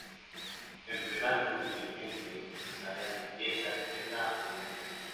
Empresario, dirigente empresarial y ex atleta olímpico.